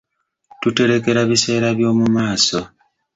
Tuterekera biseera by'omu maaso.